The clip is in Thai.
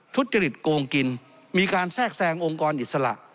ทุจริตโกงกินมีการแทรกแซงองค์กรอิสระ